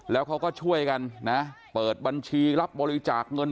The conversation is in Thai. แล้วเขาก็ช่วยกันนะเปิดบัญชีรับบริจาคเงิน